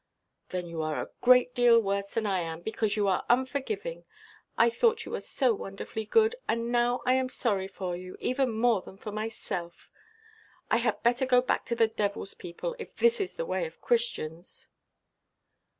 "Then you are a great deal worse than I am; because you are unforgiving. I thought you were so wonderfully good; and now I am sorry for you, even more than for myself. I had better go back to the devilʼs people, if this is the way of Christians."